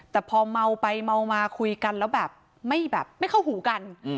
แต่พอเมาไปเมามาคุยกันแล้วแบบไม่แบบไม่เข้าหูกัน